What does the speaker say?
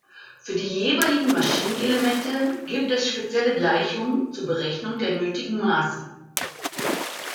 Für die jeweiligen Maschinenelemente gibt es spezielle Gleichungen zur Berechnung der nötigen Maße.